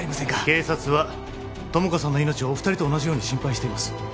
警察は友果さんの命をお二人と同じように心配してます